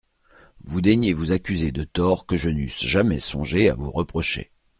Vous daignez vous accuser de torts que je n'eusse jamais songé à vous reprocher.